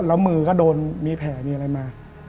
แล้วมือก็โดนมีแผลมีอะไรมา